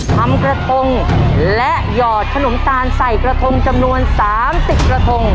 ทำกระทงและหยอดขนมตาลใส่กระทงจำนวน๓๐กระทง